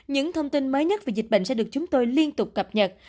những thông tin mới nhất về dịch bệnh sẽ được gửi đến các quý vị